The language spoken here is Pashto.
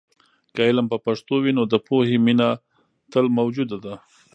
که علم په پښتو وي، نو د پوهې مینه تل موجوده ده.